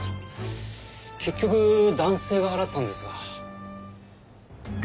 結局男性が払ったんですが。